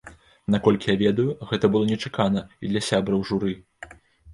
Наколькі я ведаю, гэта было нечакана і для сябраў журы.